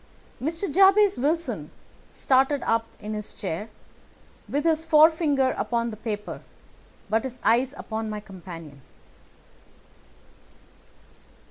Mr. Jabez Wilson started up in his chair, with his forefinger upon the paper, but his eyes upon my companion.